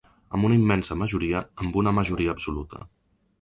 Amb una immensa majoria, amb una majoria absoluta.